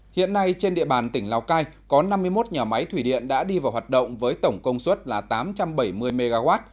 hiện nay trên địa bàn tỉnh lào cai có năm mươi một nhà máy thủy điện đã đi vào hoạt động với tổng công suất là tám trăm bảy mươi mw